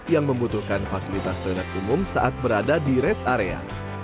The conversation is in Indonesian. yang membutuhkan fasilitas tenak umum saat berada di rest area